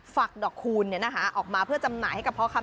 ฝักดอกคูณเนี่ยนะคะออกมาเพื่อจำหน่ายให้กับพ่อค้า